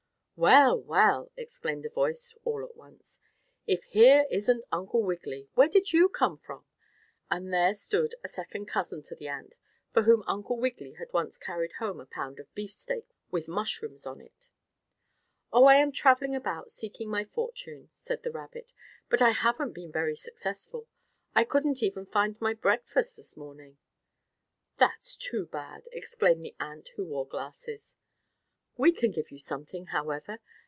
"Well! Well!" exclaimed a voice all at once. "If here isn't Uncle Wiggily. Where did you come from?" and there stood a second cousin to the ant for whom Uncle Wiggily had once carried home a pound of beefsteak with mushrooms on it. "Oh, I am traveling about seeking my fortune," said the rabbit. "But I haven't been very successful. I couldn't even find my breakfast this morning." "That's too bad!" exclaimed the ant who wore glasses. "We can give you something, however.